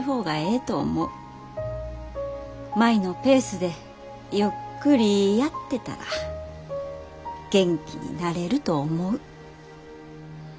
舞のペースでゆっくりやってたら元気になれると思う。